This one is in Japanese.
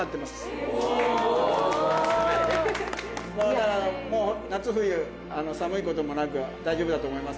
だから夏冬寒いこともなく大丈夫だと思います。